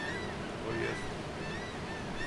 То и јесте.